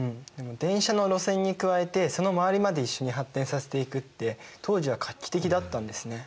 電車の路線に加えてその周りまで一緒に発展させていくって当時は画期的だったんですね。